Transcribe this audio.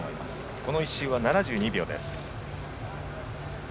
この１周は７２秒。